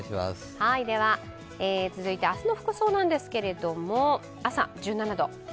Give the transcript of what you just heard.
では続いて、明日の服装なんですけれども、朝、１７度。